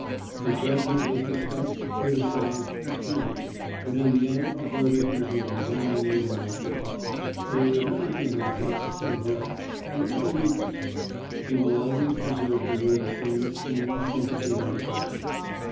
The judgment was discussed, criticised, disputed; but in the end the verdict was overwhelmingly in my favour. When the American has once said "Yes," he never weakens; he will always preserve for you the same esteem, sympathy, and affection.